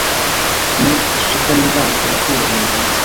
Ne suprenlevante la okulojn, li diris: